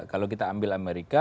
kalau kita ambil amerika